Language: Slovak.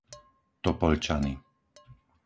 Topoľčany